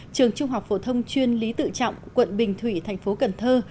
trường trung học phổ thông chuyên lý tự trọng quận bình thủy thành phố cần thơ